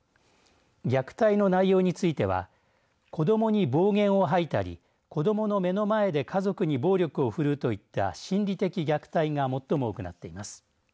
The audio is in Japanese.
虐待の内容については子どもに暴言を吐いたり子どもの目の前で家族に暴力を振るうといった心理的虐待が最も多くなっています。